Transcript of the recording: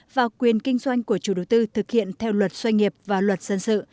và quyền kinh doanh của chủ đầu tư thực hiện theo luật xoay nghiệp và luật dân sự